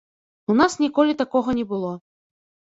У нас ніколі такога не было.